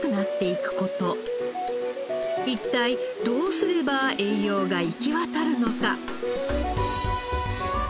一体どうすれば栄養が行き渡るのか。